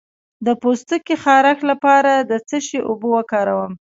د پوستکي خارښ لپاره د څه شي اوبه وکاروم؟